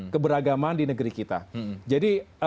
keberagaman di negeri kita jadi